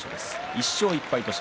１勝１敗。